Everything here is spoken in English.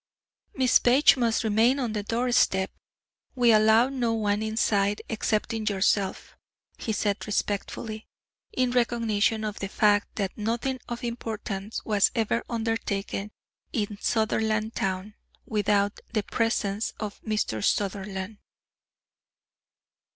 "Miss Page must remain on the doorstep. We allow no one inside excepting yourself," he said respectfully, in recognition of the fact that nothing of importance was ever undertaken in Sutherlandtown without the presence of Mr. Sutherland.